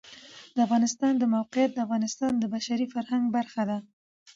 د افغانستان د موقعیت د افغانستان د بشري فرهنګ برخه ده.